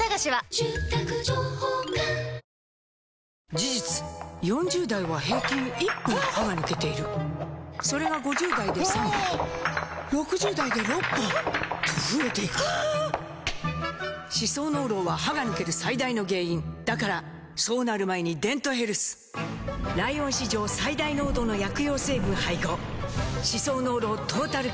事実４０代は平均１本歯が抜けているそれが５０代で３本６０代で６本と増えていく歯槽膿漏は歯が抜ける最大の原因だからそうなる前に「デントヘルス」ライオン史上最大濃度の薬用成分配合歯槽膿漏トータルケア！